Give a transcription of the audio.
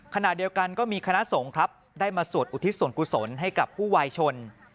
ขณะเดียวกันก็มีคณะสงฆ์ครับได้มาสวดอุทิศส่วนกุศลให้กับผู้วายชน